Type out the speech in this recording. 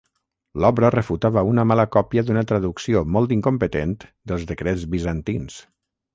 L'obra refutava una mala còpia d'una traducció molt incompetent dels decrets bizantins.